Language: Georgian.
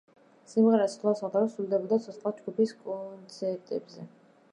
სიმღერა სხვადასხვა დროს სრულდებოდა ცოცხლად ჯგუფის კონცერტებზე.